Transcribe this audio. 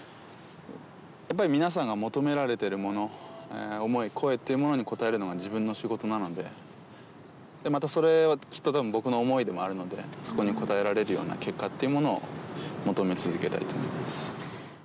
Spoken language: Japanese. やっぱり皆さんに求められてるもの、思い、声というものに応えるのが自分の仕事なので、またそれはきっとたぶん、僕の思いでもあるので、そこに応えられるような結果っていうものを、求め続けたいと思います。